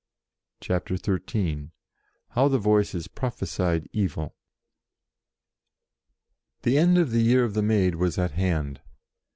CHAPTER XIII HOW THE VOICES PROPHESIED EVIL THE end of the year of the Maid was at hand.